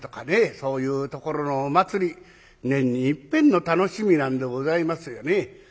そういうところのお祭り年にいっぺんの楽しみなんでございますよね。